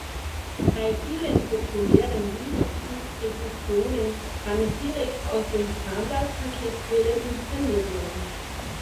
Bei vielen populären Linux-Distributionen kann es direkt aus den Standard-Paketquellen installiert werden.